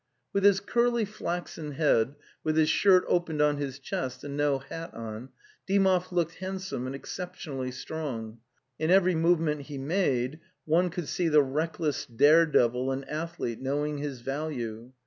With his curly flaxen head, with his shirt opened on his chest and no hat on, Dymov looked handsome and exceptionally strong; in every movement he made one could see the reckless dare devil and athlete, knowing his value.